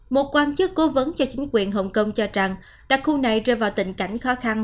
một quan chức cố vấn cho chính quyền hồng kông cho rằng đặc khu này rơi vào tình cảnh khó khăn